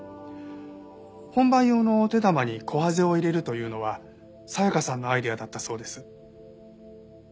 本番用のお手玉にコハゼを入れるというのは紗香さんのアイデアだったそうです。